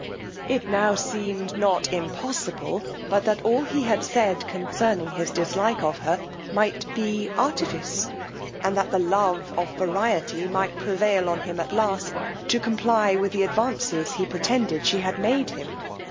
It now seemed not impossible, but that all he had said concerning his dislike of her might be artifice; and that the love of variety might prevail on him at last to comply with the advances he pretended she had made him.